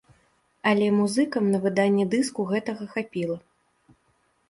Але музыкам на выданне дыску гэтага хапіла.